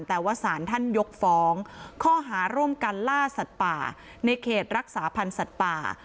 แต่ว่าสารท่านยกฟ้องข้อหาร่วมกันล่าสัตว์ป่าในเขตรักษาพันธ์สัตว์ป่า